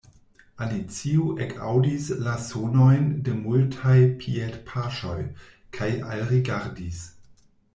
Alicio ekaŭdis la sonojn de multaj piedpaŝoj, kaj alrigardis.